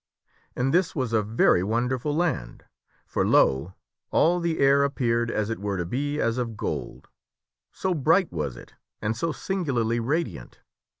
And this was a very wonderful land, for, lo ! all the air appeared as it 68 THE WINNING OF A SWORD were to be as of gold so bright was it and so singularly radiant.